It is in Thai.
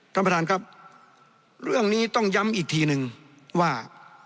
ท่านประธานครับเรื่องนี้ต้องย้ำอีกทีนึงว่า